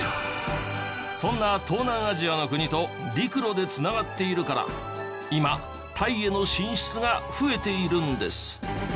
そんな東南アジアの国と陸路でつながっているから今タイへの進出が増えているんです。